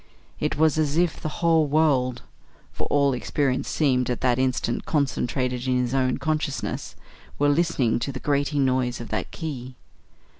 It was as if the whole world for all experience seemed at that instant concentrated in his own consciousness were listening to the grating noise of that key.